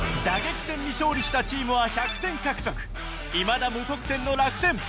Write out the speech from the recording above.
打撃戦に勝利したチームは１００点獲得いまだ無得点の楽天